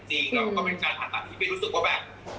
เราก็เป็นการผ่าตัดที่ไม่รู้สึกว่าแบบ